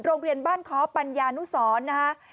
โรงเรียนบ้านค้อปัญญานุสรนะฮะ